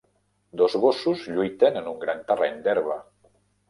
Dos gossos lluiten en un gran terreny d'herba.